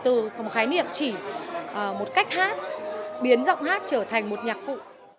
từ một khái niệm chỉ một cách hát biến giọng hát trở thành một nhạc cụ